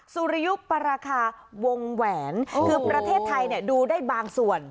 สุริยุปราคาวงแหวนคือประเทศไทยดูได้บางส่วน